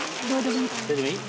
どれでもいい。